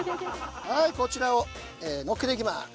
はいこちらをのっけていきます。